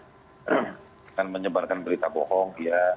jangan menyebarkan berita bohong